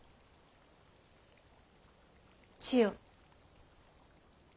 千代。